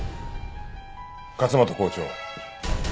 勝又校長